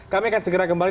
kami akan segera kembali